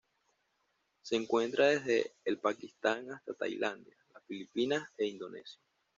Se encuentra desde el Pakistán hasta Tailandia, las Filipinas e Indonesia.